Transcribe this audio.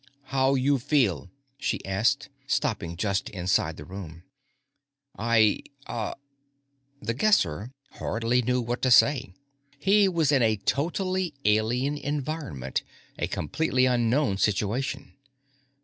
"How you feel?" she asked, stopping just inside the room. "I ... uh " The Guesser hardly knew what to say. He was in a totally alien environment, a completely unknown situation.